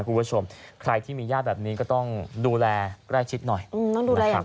คุณผู้ชมใครที่มีญาติแบบนี้ก็ต้องดูแลใกล้ชิดหน่อยต้องดูแลครับ